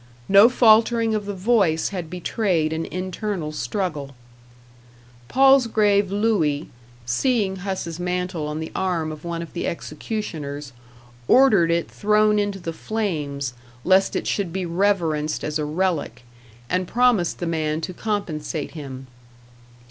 No faltering of the voice had betrayed an internal struggle. Palsgrave Louis, seeing Huss's mantle on the arm of one of the executioners, ordered it thrown into the flames lest it should be reverenced as a relic, and promised the man to compensate him.